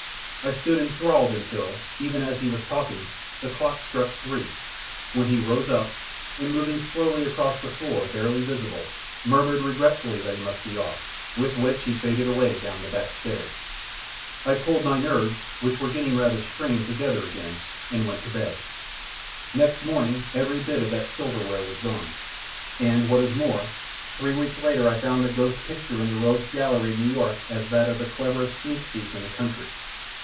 I stood inthralled until, even as he was talking, the clock struck three, when he rose up, and moving slowly across the floor, barely visible, murmured regretfully that he must be off, with which he faded away down the back stairs. I pulled my nerves, which were getting rather strained, together again, and went to bed. [Illustration: "THEN HE SAT ABOUT TELLING ME OF THE BEAUTIFUL GOLD AND SILVER WARE THEY USE IN THE ELYSIAN FIELDS."] Next morning every bit of that silver ware was gone; and, what is more, three weeks later I found the ghost's picture in the Rogues' Gallery in New York as that of the cleverest sneak thief in the country.